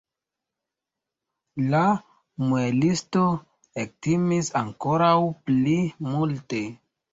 La muelisto ektimis ankoraŭ pli multe.